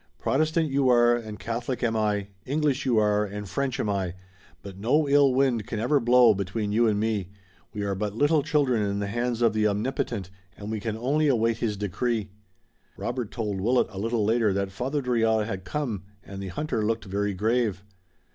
"Protestant you are and Catholic am I, English you are and French am I, but no ill wind can ever blow between you and me. We are but little children in the hands of the Omnipotent and we can only await His decree." Robert told Willet a little later that Father Drouillard had come, and the hunter looked very grave.